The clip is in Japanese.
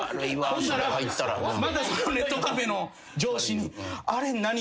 ほんならまたネットカフェの上司に。